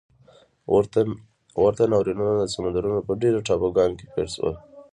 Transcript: ورته ناورینونه د سمندرونو په ډېرو ټاپوګانو کې پېښ شول.